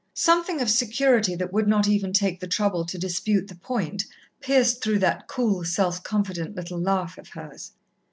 Something of security that would not even take the trouble to dispute the point, pierced through that cool, self confident little laugh of hers.